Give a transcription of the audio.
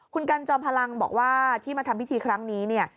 คุณกันจอมพลังบอกว่าที่มาทำพิธีครั้งนี้เนี่ย